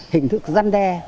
hình thức răn đe